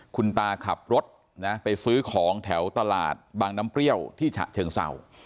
คุณตาขับรถนะไปซื้อของแถวตลาดบางน้ำเปรี้ยวที่ฉะเชิงเศร้า